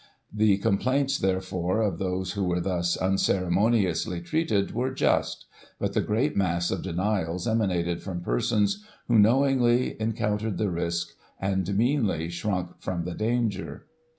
The complaints, therefore, of those who were thus unceremoniously treated, were just; but the great mass of denials emanated from persons who, knowingly, encountered the risk, and, meanly, shrunk from the danger.